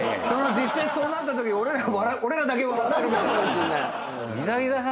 実際そうなったとき俺らだけ笑ってる。